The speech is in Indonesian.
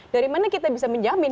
dari mana kita bisa menjamin